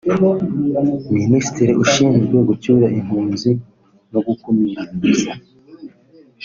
Minisitiri Ushinzwe gucyura Impunzi no gukumira ibiza